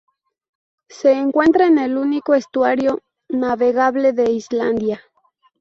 Se encuentra en el único estuario navegable de Islandia.